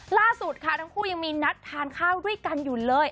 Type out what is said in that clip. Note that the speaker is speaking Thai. ล่าสุดค่ะทั้งคู่ยังมีนัดทานข้าวด้วยกันอยู่เลย